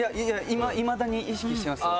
いまだに意識してますよ。